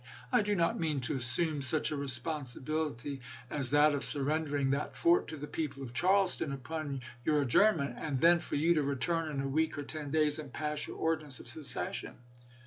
I do not mean to assume such a responsibility as that of surrendering that fort to the people of Charles ton upon your adjournment, and then for you to return in a week or ten days and pass your ordinance of secession.